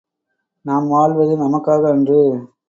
நாம் வாழ்வது நமக்காக அன்று.